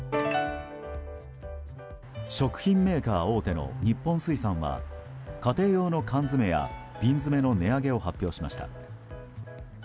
食品メーカー大手の日本水産は家庭用の缶詰や瓶詰の値上げを発表しました。